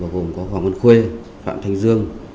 gồm có hoàng văn khê phạm thành dương